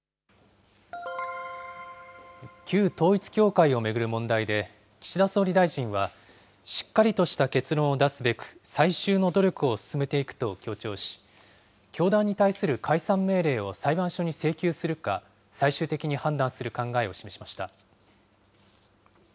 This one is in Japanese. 旧統一教会を巡る問題で、岸田総理大臣はしっかりとした結論を出すべく、最終の努力を進めていくと強調し、教団に対する解散命令を裁判所に請求するか、最終的に判断する考えを示しました。